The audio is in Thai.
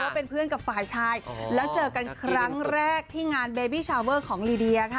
เป็นเพื่อนกับฝ่ายชายแล้วเจอกันครั้งแรกที่งานเบบี้ชาวเวอร์ของลีเดียค่ะ